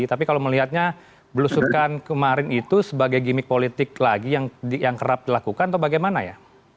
tapi kalau melihatnya belusukan kemarin itu sebagai gimmick politik lagi yang kerap dilakukan atau bagaimana ya